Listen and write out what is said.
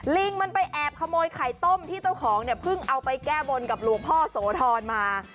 ลิงมันไปแอบขโมยไข่ต้มที่ต้องของพึ่งเอาไปแก้บนกับลัวพ่อโสธรมา